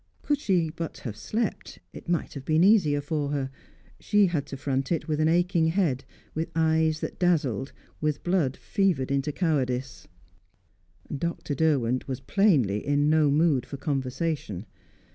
Could she but have slept, it might have been easier for her; she had to front it with an aching head, with eyes that dazzled, with blood fevered into cowardice. Dr. Derwent was plainly in no mood for conversation.